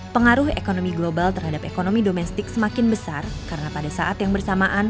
pengaruh ekonomi global terhadap ekonomi domestik semakin besar karena pada saat yang bersamaan